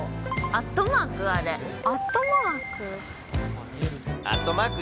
アットマーク、アットマーク？